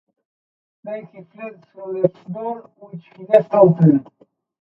Then he fled through the door, which he left open.